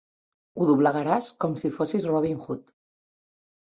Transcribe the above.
Ho doblegaràs com si fossis Robin Hood.